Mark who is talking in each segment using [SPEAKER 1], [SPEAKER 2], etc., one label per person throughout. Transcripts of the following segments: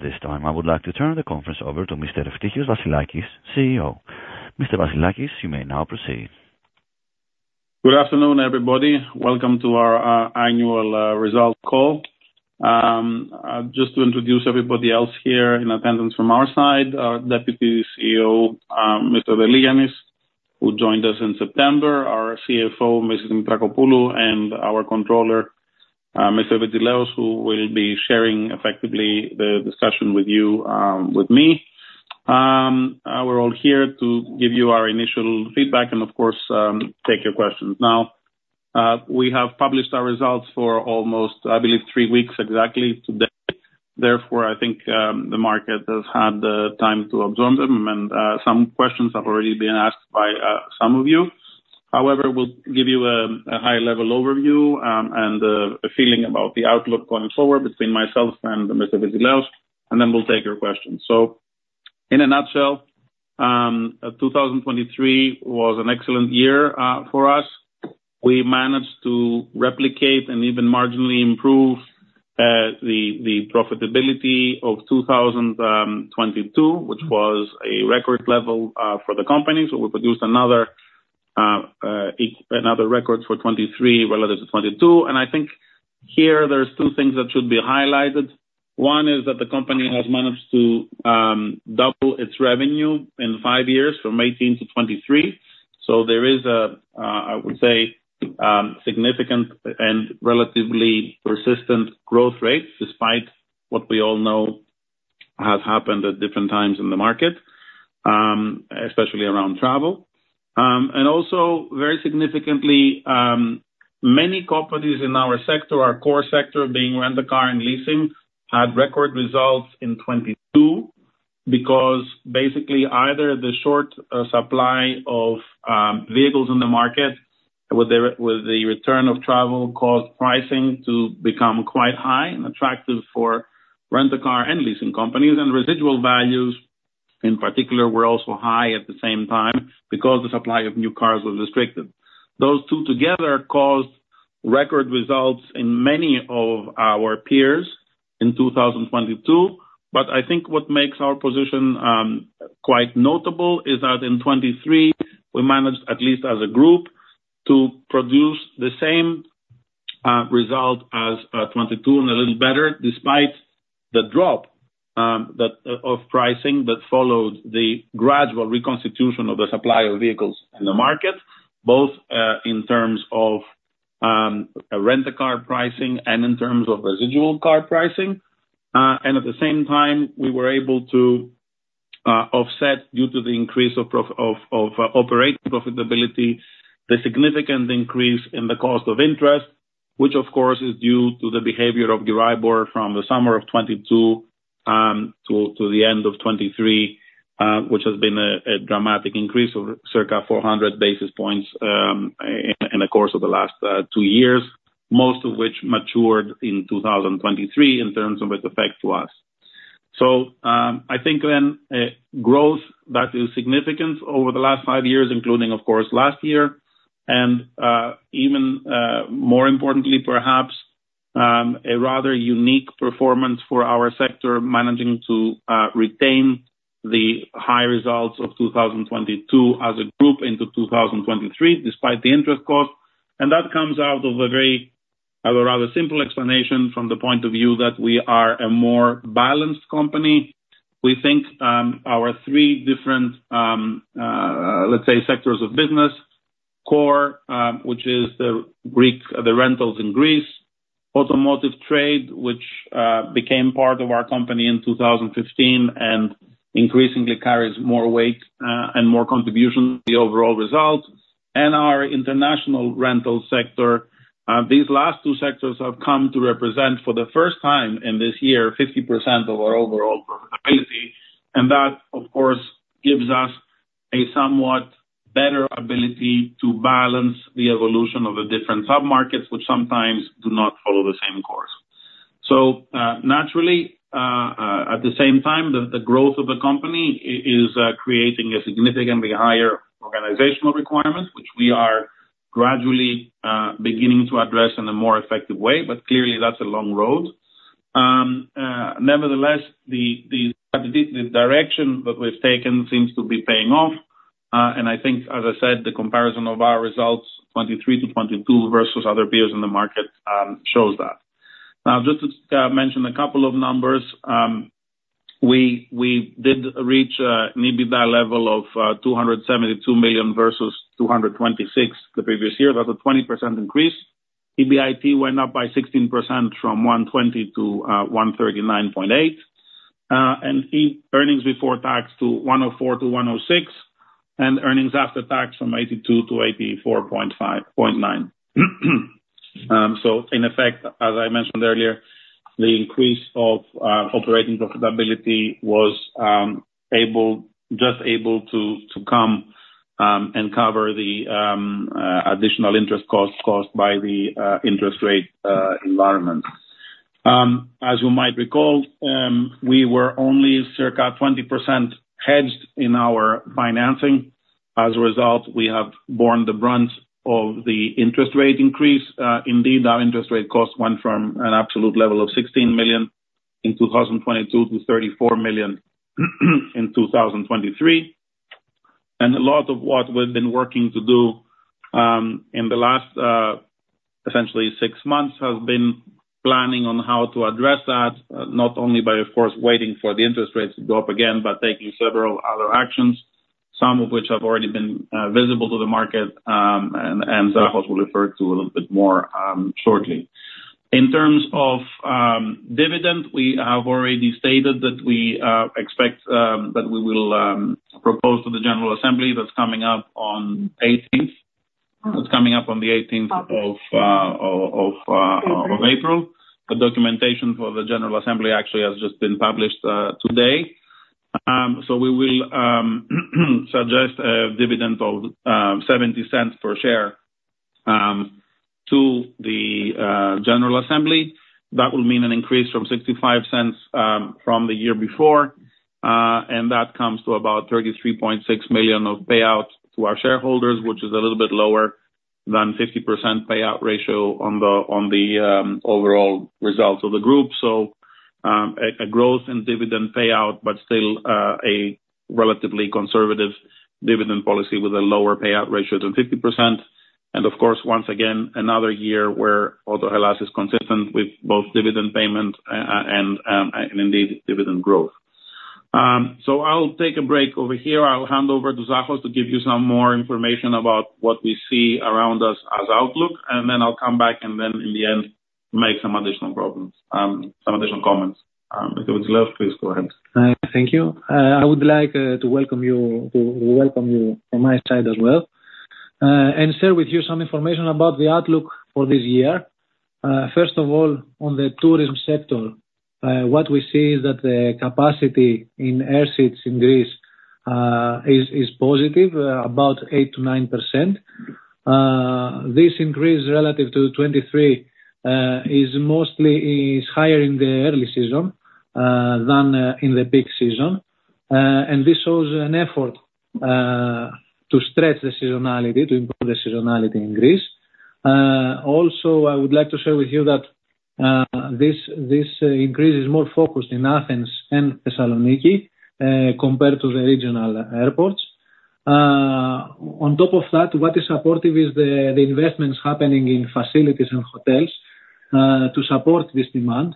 [SPEAKER 1] At this time, I would like to turn the conference over to Mr. Eftichios Vassilakis, CEO. Mr. Vassilakis, you may now proceed.
[SPEAKER 2] Good afternoon, everybody. Welcome to our annual results call. Just to introduce everybody else here in attendance from our side, our Deputy CEO, Mr. Deligiannis, who joined us in September, our CFO, Mrs. Dimitrakopoulou, and our Controller, Mr. Vitzilaios, who will be sharing effectively the discussion with you with me. We're all here to give you our initial feedback and of course, take your questions. We have published our results for almost, I believe, three weeks exactly today. Therefore, I think the market has had the time to absorb them, and some questions have already been asked by some of you. We'll give you a high level overview and a feeling about the outlook going forward between myself and Mr. Vitzilaios, and then we'll take your questions. In a nutshell, 2023 was an excellent year for us. We managed to replicate and even marginally improve the profitability of 2022, which was a record level for the company. We produced another record for 23 relative to 22. I think here there's two things that should be highlighted. One is that the company has managed to double its revenue in five years from 18-23. There is a, I would say, significant and relatively persistent growth rate despite what we all know has happened at different times in the market, especially around travel. Also very significantly, many companies in our sector, our core sector being rent a car and leasing, had record results in 2022 because basically either the short supply of vehicles in the market with the return of travel caused pricing to become quite high and attractive for rent a car and leasing companies, and residual values, in particular, were also high at the same time because the supply of new cars was restricted. Those two together caused record results in many of our peers in 2022. I think what makes our position quite notable is that in 2023, we managed, at least as a group, to produce the same result as 2022 and a little better despite the drop that of pricing that followed the gradual reconstitution of the supply of vehicles in the market, both in terms of rent a car pricing and in terms of residual car pricing. At the same time, we were able to offset due to the increase of operating profitability, the significant increase in the cost of interest, which of course is due to the behavior of Euribor from the summer of 2022 to the end of 2023, which has been a dramatic increase of circa 400 basis points in the course of the last two years, most of which matured in 2023 in terms of its effect to us. I think growth that is significant over the last five years, including of course last year, and even more importantly perhaps, a rather unique performance for our sector, managing to retain the high results of 2022 as a group into 2023, despite the interest cost. That comes out of a rather simple explanation from the point of view that we are a more balanced company. We think, our three different, let's say sectors of business, core, which is the Greek, the rentals in Greece, automotive trade, which became part of our company in 2015 and increasingly carries more weight, and more contribution to the overall results, and our international rental sector. These last two sectors have come to represent, for the first time in this year, 50% of our overall profitability. That, of course, gives us a somewhat better ability to balance the evolution of the different sub markets, which sometimes do not follow the same course. Naturally, at the same time, the growth of the company is creating a significantly higher organizational requirements, which we are gradually beginning to address in a more effective way, clearly, that's a long road. Nevertheless, the direction that we've taken seems to be paying off. I think, as I said, the comparison of our results, 2023 to 2022 versus other peers in the market, shows that. Just to mention a couple of numbers, we did reach maybe that level of 272 million versus 226 million the previous year. That's a 20% increase. EBIT went up by 16% from 120 million to 139.8 million. Earnings before tax to 104-106, and earnings after tax from 82-84.5, 84.9. In effect, as I mentioned earlier, the increase of operating profitability was able, just able to come and cover the additional interest costs caused by the interest rate environment. As you might recall, we were only circa 20% hedged in our financing. As a result, we have borne the brunt of the interest rate increase. Indeed, our interest rate cost went from an absolute level of 16 million in 2022 to 34 million in 2023. A lot of what we've been working to do in the last essentially six months has been planning on how to address that, not only by, of course, waiting for the interest rates to go up again, but taking several other actions, some of which have already been visible to the market, and Zachos will refer to a little bit more shortly. In terms of dividend, we have already stated that we expect that we will propose to the General Assembly that's coming up on the 18th of April. The documentation for the General Assembly actually has just been published today. We will suggest a dividend of 0.70 per share to the General Assembly. That will mean an increase from 0.65 from the year before. That comes to about 33.6 million of payouts to our shareholders, which is a little bit lower than 50% payout ratio on the overall results of the group. A growth in dividend payout, but still a relatively conservative dividend policy with a lower payout ratio than 50%. Of course, once again, another year where Autohellas is consistent with both dividend payment and indeed dividend growth. I'll take a break over here. I'll hand over to Zachos to give you some more information about what we see around us as outlook, I'll come back and in the end make some additional problems, some additional comments. If you would Zach, please go ahead.
[SPEAKER 3] Thank you. I would like to welcome you from my side as well and share with you some information about the outlook for this year. First of all, on the tourism sector, what we see is that the capacity in air seats in Greece is positive, about 8%-9%. This increase relative to 2023 is mostly higher in the early season than in the peak season. This shows an effort to stretch the seasonality, to improve the seasonality in Greece. Also, I would like to share with you that this increase is more focused in Athens and Thessaloniki compared to the regional airports. On top of that, what is supportive is the investments happening in facilities and hotels, to support this demand,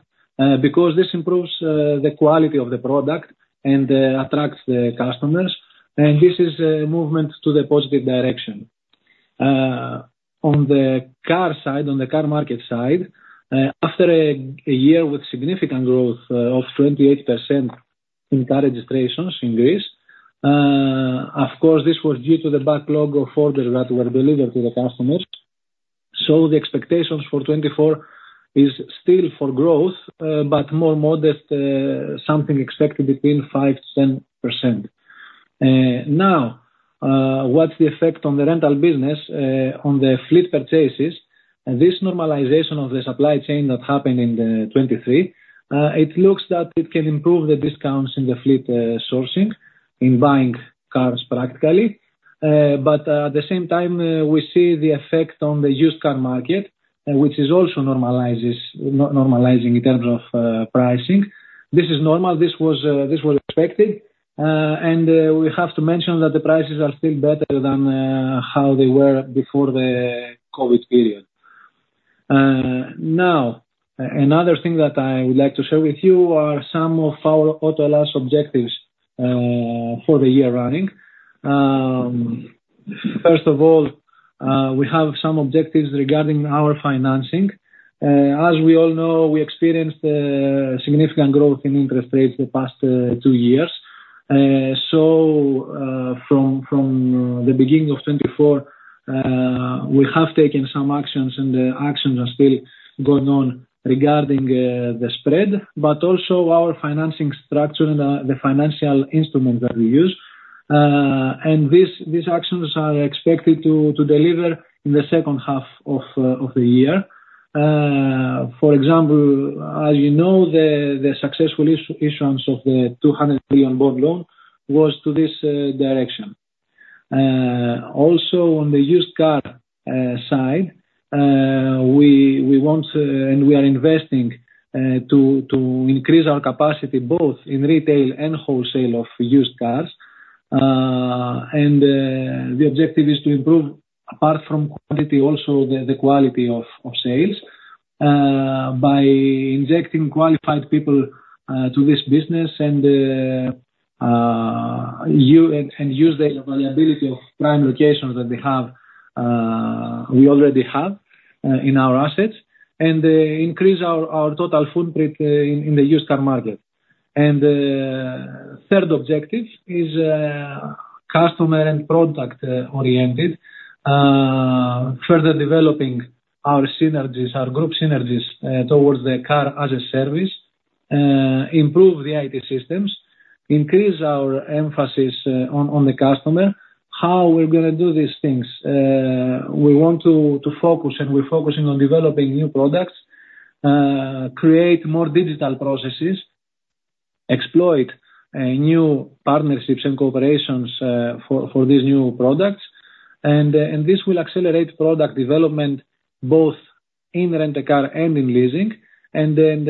[SPEAKER 3] because this improves the quality of the product and attracts the customers. This is a movement to the positive direction. On the car side, on the car market side, after a year with significant growth, of 28% in car registrations in Greece, of course, this was due to the backlog of orders that were delivered to the customers. The expectations for 2024 is still for growth, but more modest, something expected between 5%-10%. What's the effect on the rental business, on the fleet purchases? This normalization of the supply chain that happened in 2023, it looks that it can improve the discounts in the fleet, sourcing, in buying cars practically. At the same time, we see the effect on the used car market, which is also normalizing in terms of pricing. This is normal. This was expected. We have to mention that the prices are still better than how they were before the COVID period. Another thing that I would like to share with you are some of our Autohellas objectives for the year running. First of all, we have some objectives regarding our financing. As we all know, we experienced significant growth in interest rates the past two years. From the beginning of 2024, we have taken some actions, and the actions are still going on regarding the spread, but also our financing structure and the financial instrument that we use. These actions are expected to deliver in the second half of the year. For example, as you know, the successful issuance of the 200 million bond loan was to this direction. Also on the used car side, we want and we are investing to increase our capacity both in retail and wholesale of used cars. The objective is to improve, apart from quantity, also the quality of sales, by injecting qualified people to this business and use the availability of prime locations that we have, we already have in our assets, and increase our total footprint in the used car market. Third objective is customer and product oriented. Further developing our synergies, our group synergies, towards the Car as a Service. Improve the IT systems. Increase our emphasis on the customer. How we're gonna do these things? We want to focus, and we're focusing on developing new products, create more digital processes. Exploit new partnerships and cooperations for these new products. This will accelerate product development both in rent-a-car and in leasing, and then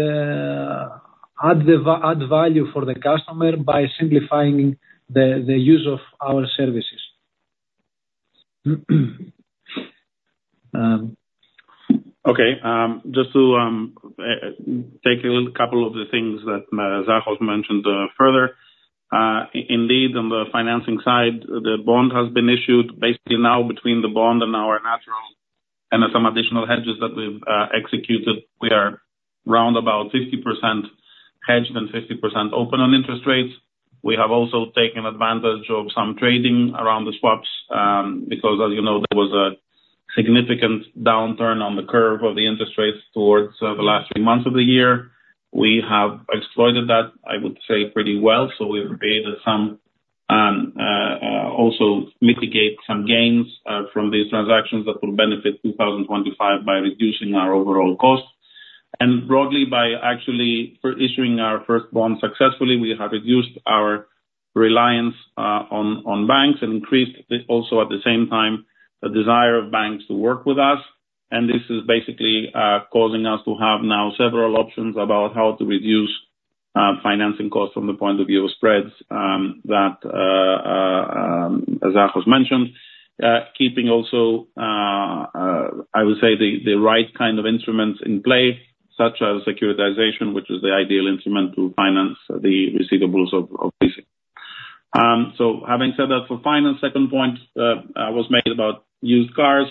[SPEAKER 3] add value for the customer by simplifying the use of our services.
[SPEAKER 2] Just to take a couple of the things that Zachos mentioned further. Indeed, on the financing side, the bond has been issued. Basically now between the bond and our natural and some additional hedges that we've executed, we are round about 50% hedged and 50% open on interest rates. We have also taken advantage of some trading around the swaps, because as you know, there was a significant downturn on the curve of the interest rates towards the last three months of the year. We have exploited that, I would say, pretty well. We've repaid some, also mitigate some gains from these transactions that will benefit 2025 by reducing our overall costs. Broadly, by actually for issuing our first bond successfully, we have reduced our reliance on banks and increased also at the same time, the desire of banks to work with us. This is basically causing us to have now several options about how to reduce financing costs from the point of view of spreads that Zachos mentioned. Keeping also, I would say the right kind of instruments in play, such as securitization, which is the ideal instrument to finance the receivables of leasing. Having said that for finance, second point was made about used cars.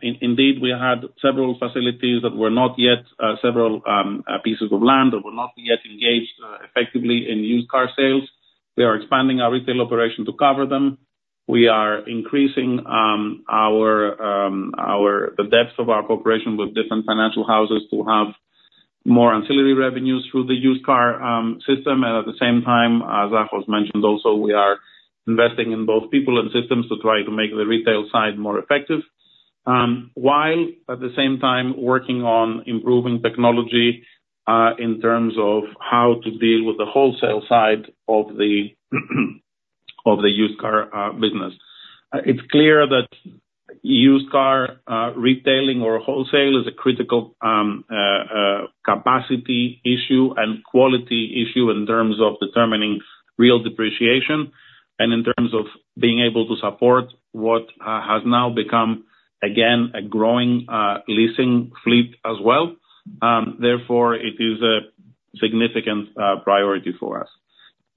[SPEAKER 2] Indeed, we had several facilities that were not yet, several pieces of land that were not yet engaged effectively in used car sales. We are expanding our retail operation to cover them. We are increasing the depth of our cooperation with different financial houses to have more ancillary revenues through the used car system. At the same time, as Zachos mentioned also, we are investing in both people and systems to try to make the retail side more effective while at the same time working on improving technology in terms of how to deal with the wholesale side of the used car business. It's clear that used car retailing or wholesale is a critical capacity issue and quality issue in terms of determining real depreciation and in terms of being able to support what has now become again a growing leasing fleet as well. Therefore it is a significant priority for us.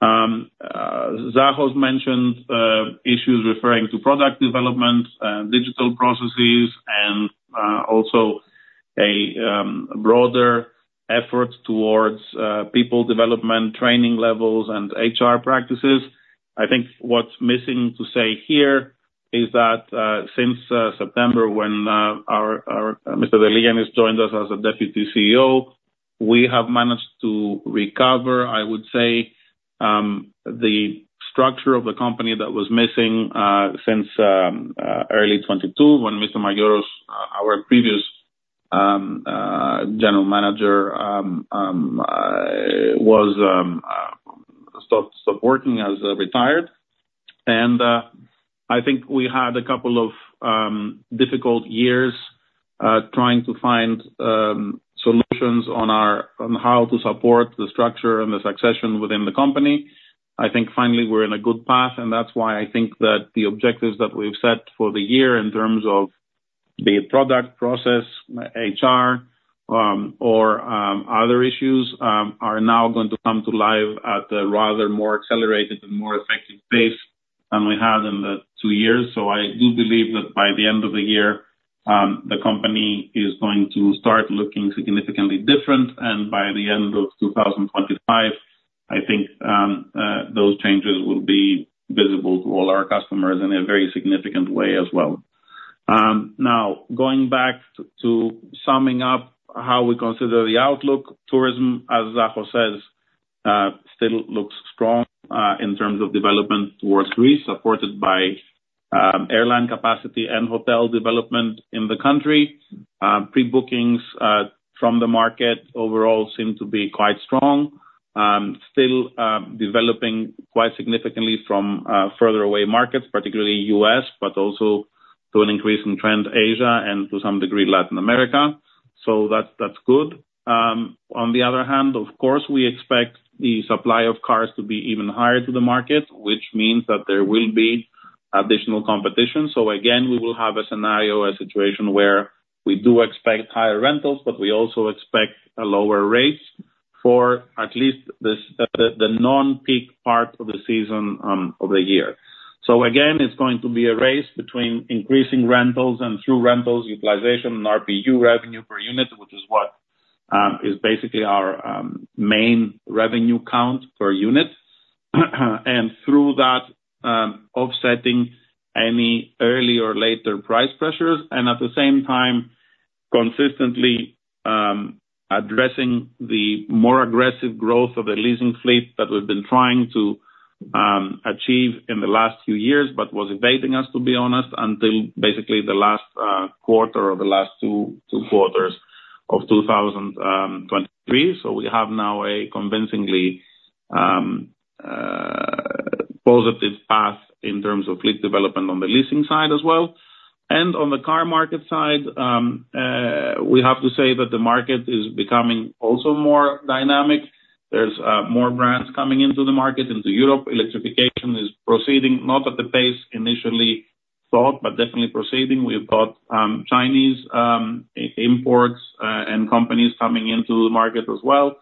[SPEAKER 2] Zachos mentioned issues referring to product development, digital processes and also a broader effort towards people development, training levels and HR practices. I think what's missing to say here is that since September when our Mr. Deligiannis joined us as a Deputy CEO, we have managed to recover, I would say, the structure of the company that was missing since early 2022 when Mr. Mangioros, our previous General Manager, was stopped working as he retired. I think we had a couple of difficult years trying to find solutions on how to support the structure and the succession within the company. I think finally we're in a good path, and that's why I think that the objectives that we've set for the year in terms of the product process, HR, or other issues, are now going to come to life at a rather more accelerated and more effective pace than we had in the two years. I do believe that by the end of the year, the company is going to start looking significantly different. By the end of 2025, I think, those changes will be visible to all our customers in a very significant way as well. Now going back to summing up how we consider the outlook. Tourism, as Zachos says, still looks strong in terms of development towards Greece, supported by airline capacity and hotel development in the country. Pre-bookings from the market overall seem to be quite strong. Still developing quite significantly from further away markets, particularly U.S., but also to an increasing trend Asia and to some degree Latin America. That's, that's good. On the other hand, of course, we expect the supply of cars to be even higher to the market, which means that there will be additional competition. Again, we will have a scenario, a situation where we do expect higher rentals, but we also expect a lower rates for at least this the non-peak part of the season of the year. Again, it's going to be a race between increasing rentals and through rentals utilization and RPU Revenue Per Unit, which is what is basically our main revenue count per unit, and through that, offsetting any early or later price pressures. At the same time, consistently addressing the more aggressive growth of the leasing fleet that we've been trying to achieve in the last few years, but was evading us, to be honest, until basically the last quarter or the last two quarters of 2023. We have now a convincingly positive path in terms of fleet development on the leasing side as well. On the car market side, we have to say that the market is becoming also more dynamic. There's more brands coming into the market into Europe. Electrification is proceeding, not at the pace initially thought, but definitely proceeding. We've got Chinese imports and companies coming into the market as well.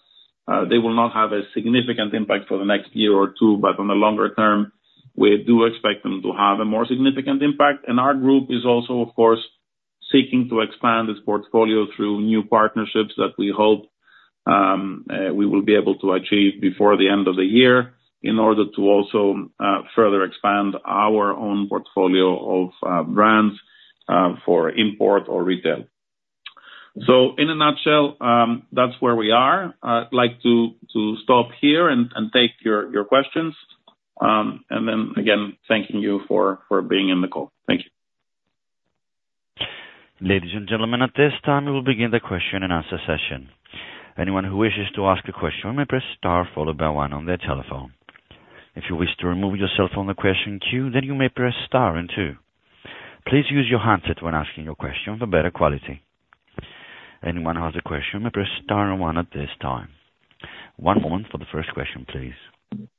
[SPEAKER 2] They will not have a significant impact for the next year or two, but on the longer term, we do expect them to have a more significant impact. Our group is also, of course, seeking to expand its portfolio through new partnerships that we hope we will be able to achieve before the end of the year in order to also further expand our own portfolio of brands for import or retail. In a nutshell, that's where we are. I'd like to stop here and take your questions. Again, thanking you for being in the call. Thank you.
[SPEAKER 1] Ladies and gentlemen, at this time, we will begin the question and answer session. Anyone who wishes to ask a question may press star followed by one on their telephone. If you wish to remove yourself from the question queue, you may press star and two. Please use your handset when asking your question for better quality. Anyone who has a question may press star and one at this time. One moment for the first question, please.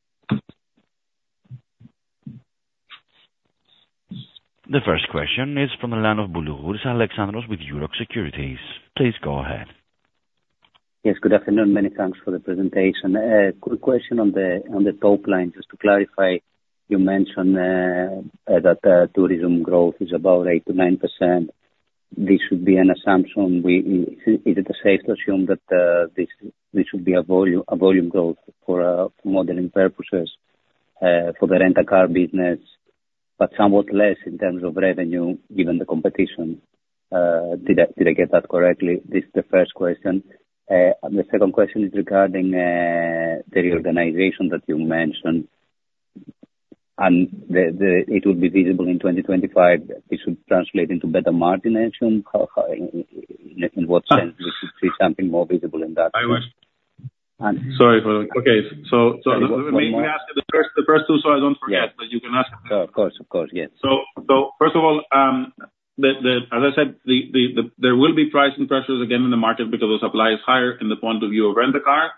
[SPEAKER 1] The first question is from the line of Boulougouris Alexandros with Euroxx Securities. Please go ahead.
[SPEAKER 4] Yes, good afternoon. Many thanks for the presentation. Quick question on the, on the top line. Just to clarify, you mentioned that the tourism growth is about 8%-9%. This should be an assumption. Is it safe to assume that this should be a volume growth for modeling purposes for the rent-a-car business, but somewhat less in terms of revenue given the competition? Did I get that correctly? This is the first question. The second question is regarding the reorganization that you mentioned and the... It will be visible in 2025. This should translate into better margination. How, in what sense we should see something more visible in that?
[SPEAKER 2] I was-
[SPEAKER 4] And-
[SPEAKER 2] Sorry for... Okay.
[SPEAKER 4] One moment.
[SPEAKER 2] May I ask you the first, the first two, so I don't forget.
[SPEAKER 4] Yes.
[SPEAKER 2] You can ask.
[SPEAKER 4] Of course. Of course. Yes.
[SPEAKER 2] First of all, as I said, there will be pricing pressures again in the market because the supply is higher in the point of view of rent-a-car.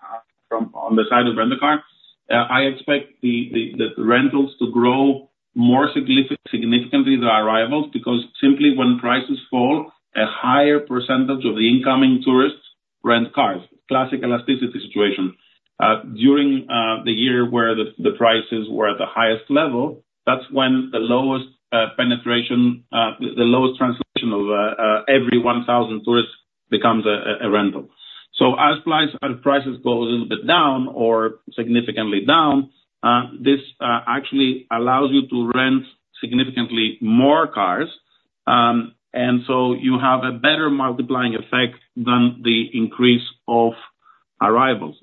[SPEAKER 2] On the side of rent-a-car. I expect the rentals to grow more significantly the arrivals, because simply when prices fall, a higher percentage of the incoming tourists rent cars. Classic elasticity situation. During the year where the prices were at the highest level, that's when the lowest penetration, the lowest translation of every 1,000 tourists becomes a rental. As prices go a little bit down or significantly down, this actually allows you to rent significantly more cars, and so you have a better multiplying effect than the increase of arrivals.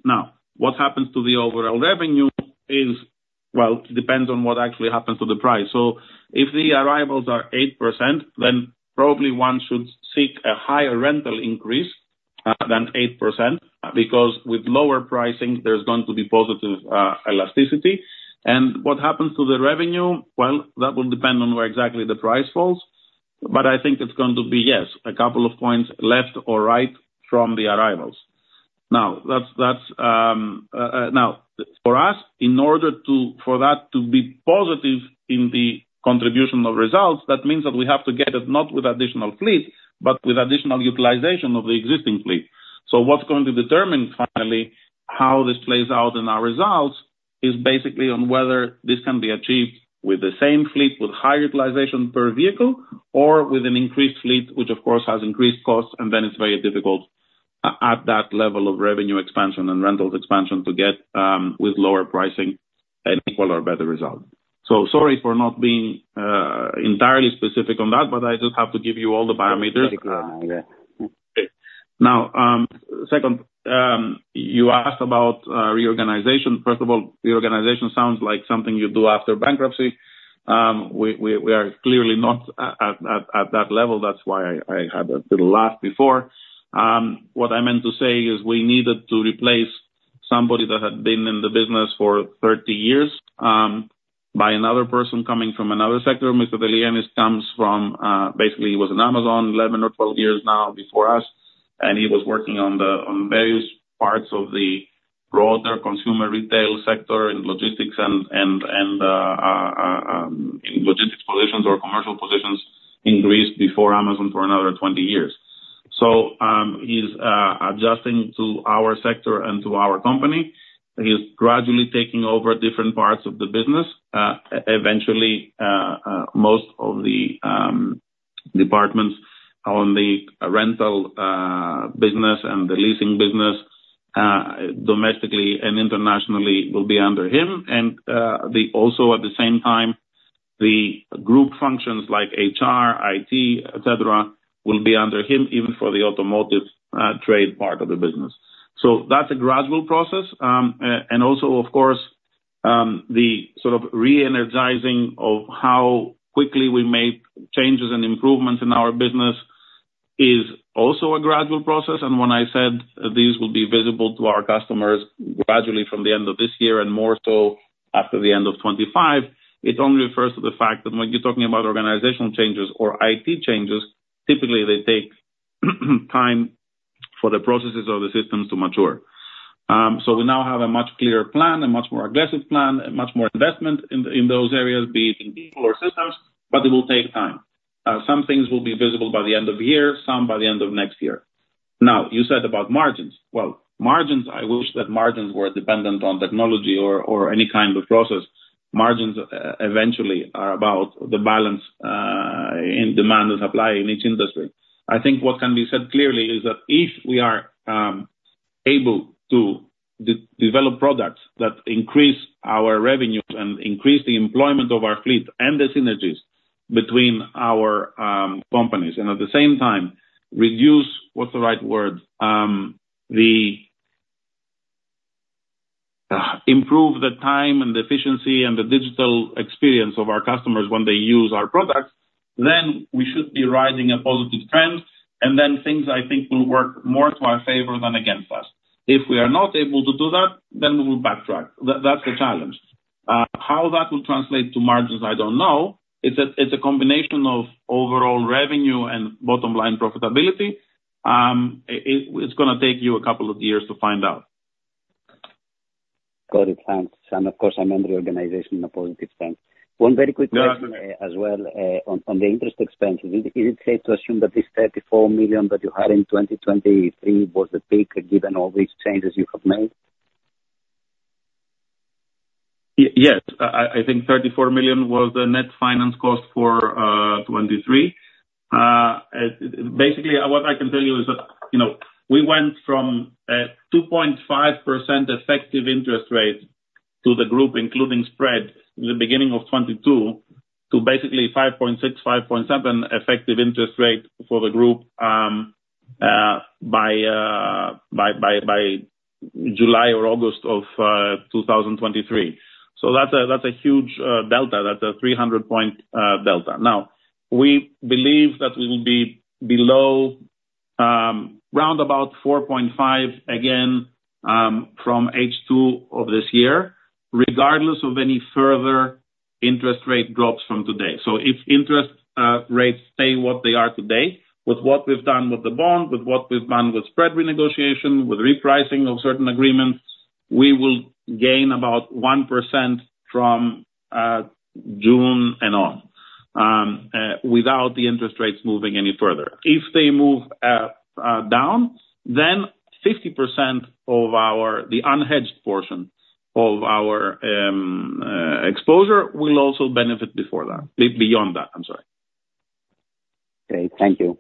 [SPEAKER 2] What happens to the overall revenue is. Well, it depends on what actually happens to the price. If the arrivals are 8%, then probably one should seek a higher rental increase than 8%, because with lower pricing there's going to be positive elasticity. What happens to the revenue? Well, that will depend on where exactly the price falls, but I think it's going to be, yes, a couple of points left or right from the arrivals. That's for us, for that to be positive in the contribution of results, that means that we have to get it not with additional fleet, but with additional utilization of the existing fleet. What's going to determine finally how this plays out in our results is basically on whether this can be achieved with the same fleet, with high utilization per vehicle or with an increased fleet, which of course has increased costs. It's very difficult at that level of revenue expansion and rentals expansion to get with lower pricing an equal or better result. Sorry for not being entirely specific on that, but I just have to give you all the parameters.
[SPEAKER 4] That's good. Yeah.
[SPEAKER 2] Second, you asked about reorganization. First of all, reorganization sounds like something you do after bankruptcy. We are clearly not at that level. That's why I had a little laugh before. What I meant to say is we needed to replace somebody that had been in the business for 30 years by another person coming from another sector. Mr. Deligiannis comes from, basically he was in Amazon 11 or 12 years now before us, and he was working on various parts of the broader consumer retail sector in logistics and in logistics positions or commercial positions in Greece before Amazon for another 20 years. He's adjusting to our sector and to our company. He's gradually taking over different parts of the business. Eventually, most of the departments on the rental business and the leasing business, domestically and internationally will be under him. The group functions like HR, IT, et cetera, will be under him even for the automotive trade part of the business. That's a gradual process. And also, of course, the sort of re-energizing of how quickly we make changes and improvements in our business is also a gradual process. When I said these will be visible to our customers gradually from the end of this year and more so after the end of 25, it only refers to the fact that when you're talking about organizational changes or IT changes, typically they take time for the processes or the systems to mature. We now have a much clearer plan, a much more aggressive plan, a much more investment in those areas, be it in people or systems, but it will take time. Some things will be visible by the end of the year, some by the end of next year. You said about margins. Well, margins, I wish that margins were dependent on technology or any kind of process. Margins eventually are about the balance in demand and supply in each industry. I think what can be said clearly is that if we are able to develop products that increase our revenues and increase the employment of our fleet and the synergies between our companies, and at the same time reduce, what's the right word, the... -improve the time and the efficiency and the digital experience of our customers when they use our products, we should be riding a positive trend. Things I think will work more to our favor than against us. If we are not able to do that, then we will backtrack. That's the challenge. How that will translate to margins, I don't know. It's a, it's a combination of overall revenue and bottom line profitability. It's gonna take you a couple of years to find out.
[SPEAKER 4] Got it. Thanks. Of course, I'm on the organization in a positive sense. One very quick question...
[SPEAKER 2] Yeah.
[SPEAKER 4] -as well, on the interest expense. Is it safe to assume that this 34 million that you had in 2023 was the peak given all these changes you have made?
[SPEAKER 2] Yes. I think 34 million was the net finance cost for 2023. Basically what I can tell you is that, you know, we went from a 2.5% effective interest rate to the group, including spread, in the beginning of 2022 to basically 5.6%-5.7% effective interest rate for the group by July or August of 2023. That's a huge delta. That's a 300 point delta. Now, we believe that we will be below roundabout 4.5% again from H2 of this year, regardless of any further interest rate drops from today. If interest rates stay what they are today, with what we've done with the bond, with what we've done with spread renegotiation, with repricing of certain agreements, we will gain about 1% from June and on, without the interest rates moving any further. If they move down, the unhedged portion of our exposure will also benefit before that. Beyond that, I'm sorry.
[SPEAKER 4] Okay. Thank you.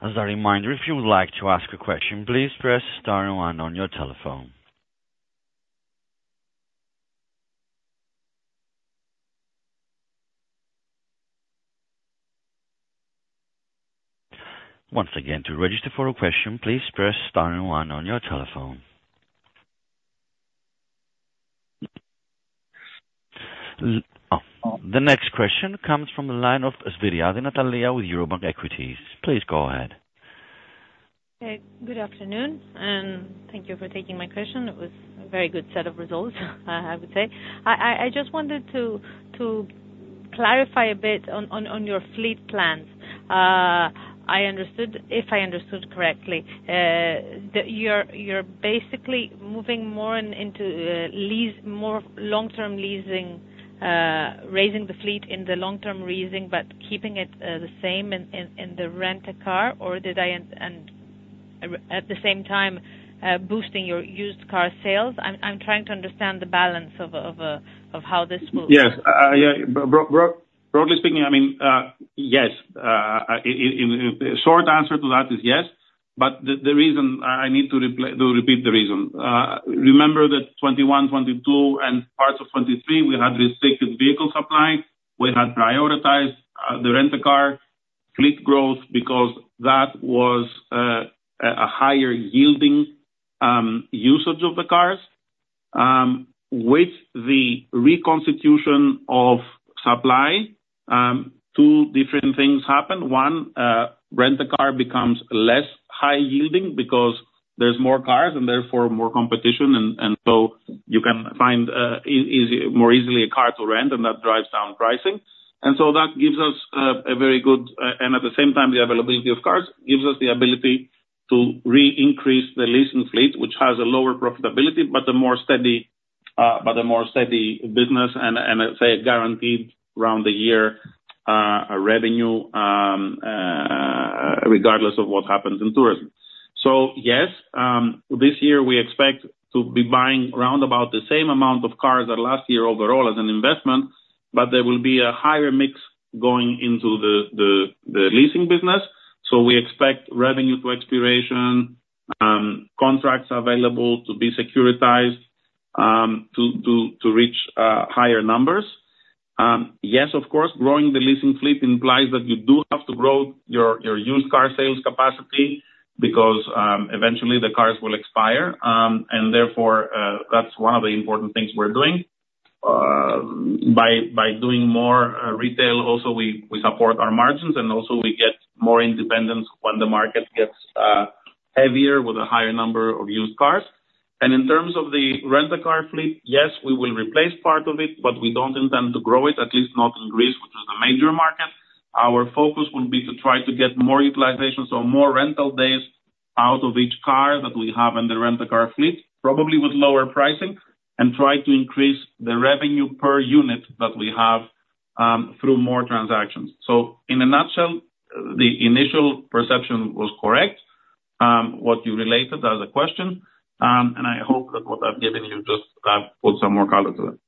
[SPEAKER 1] As a reminder, if you would like to ask a question, please press star and one on your telephone. Once again, to register for a question, please press star and one on your telephone. The next question comes from the line of Svyrou Natalia with Eurobank Equities. Please go ahead.
[SPEAKER 5] Good afternoon, and thank you for taking my question. It was a very good set of results, I would say. I just wanted to clarify a bit on your fleet plans. I understood... if I understood correctly, that you're basically moving more into long-term leasing, raising the fleet in the long-term leasing, but keeping it the same in the rent a car, or did I under... and at the same time, boosting your used car sales? I'm trying to understand the balance of how this moves.
[SPEAKER 2] Yes. broadly speaking, I mean, yes. short answer to that is yes. The reason I need to repeat the reason. Remember that 2021, 2022 and parts of 2023, we had restricted vehicle supply. We had prioritized the rent a car fleet growth because that was a higher yielding usage of the cars. With the reconstitution of supply, two different things happened. One, rent a car becomes less high yielding because there's more cars and therefore more competition, so you can find more easily a car to rent, and that drives down pricing. That gives us a very good... At the same time, the availability of cars gives us the ability to re-increase the leasing fleet, which has a lower profitability, but a more steady business and let's say a guaranteed round the year revenue regardless of what happens in tourism. This year we expect to be buying roundabout the same amount of cars as last year overall as an investment, but there will be a higher mix going into the leasing business. Contracts available to be securitized to reach higher numbers. Yes, of course, growing the leasing fleet implies that you do have to grow your used car sales capacity because eventually the cars will expire. That's one of the important things we're doing. By doing more retail also we support our margins and also we get more independence when the market gets heavier with a higher number of used cars. In terms of the rent-a-car fleet, yes, we will replace part of it, but we don't intend to grow it, at least not in Greece, which is the major market. Our focus will be to try to get more utilization, so more rental days out of each car that we have in the rent-a-car fleet, probably with lower pricing, and try to increase the Revenue Per Unit that we have through more transactions. In a nutshell, the initial perception was correct, what you related as a question. I hope that what I'm giving you just put some more color to that.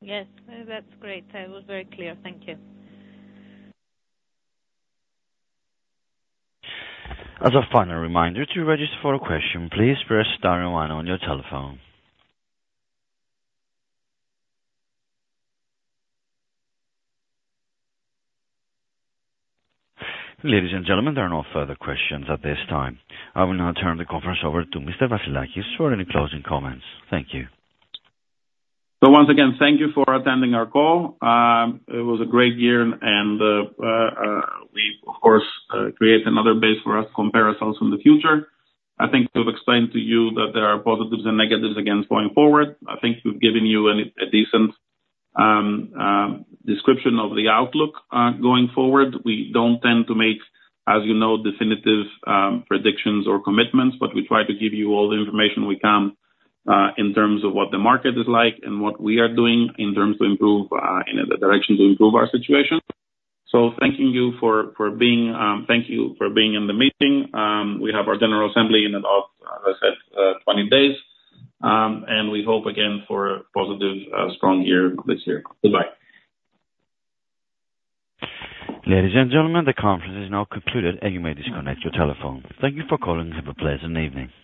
[SPEAKER 5] Yes. That's great. That was very clear. Thank you.
[SPEAKER 1] As a final reminder, to register for a question, please press star and one on your telephone. Ladies and gentlemen, there are no further questions at this time. I will now turn the conference over to Mr. Vassilakis for any closing comments. Thank you.
[SPEAKER 2] Once again, thank you for attending our call. It was a great year and we of course create another base for us to compare ourselves in the future. I think we've explained to you that there are positives and negatives, again, going forward. I think we've given you a decent description of the outlook going forward. We don't tend to make, as you know, definitive predictions or commitments, but we try to give you all the information we can in terms of what the market is like and what we are doing in terms to improve in the direction to improve our situation. Thanking you for being, thank you for being in the meeting. We have our General Assembly in about, as I said, 20 days. We hope again for a positive, strong year this year. Goodbye.
[SPEAKER 1] Ladies and gentlemen, the conference is now concluded, and you may disconnect your telephone. Thank you for calling and have a pleasant evening.